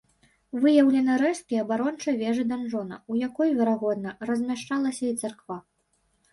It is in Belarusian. Выяўлены рэшткі абарончай вежы-данжона, у якой, верагодна, размяшчалася і царква.